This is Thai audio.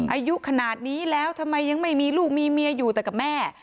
อายุขนาดนี้แล้วทำไมยังไม่มีลูกมีเมียอยู่แต่กับแม่